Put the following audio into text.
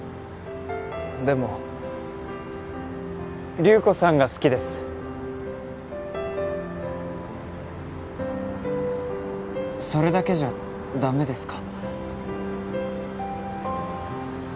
流子さんが好きですそれだけじゃダメですか？